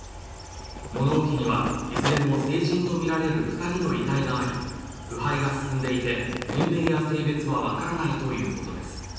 物置にはいずれも成人とみられる２人の遺体があり腐敗が進んでいて年齢や性別は分からないということです。